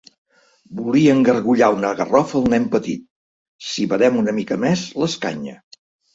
Volia engargullar una garrofa al nen petit; si badem una mica més, l'escanya.